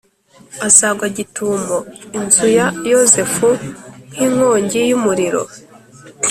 azagwa gitumo inzu ya Yozefu nk’inkongi y’umuriro,